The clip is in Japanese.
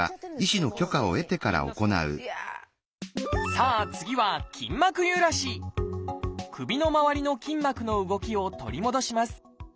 さあ次は首のまわりの筋膜の動きを取り戻します